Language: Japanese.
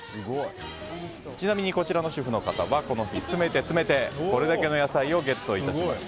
ちなみにこちらの主婦の方はこの日詰めて詰めてこれだけの野菜をゲットしました。